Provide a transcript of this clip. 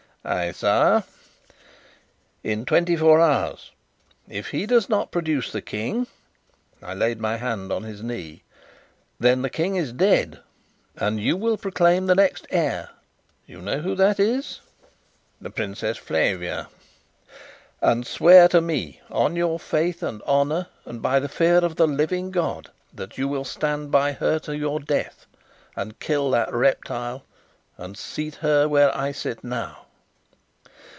"Ay, sire." " In twenty four hours. If he does not produce the King" (I laid my hand on his knee), "then the King is dead, and you will proclaim the next heir. You know who that is?" "The Princess Flavia." "And swear to me, on your faith and honour and by the fear of the living God, that you will stand by her to the death, and kill that reptile, and seat her where I sit now."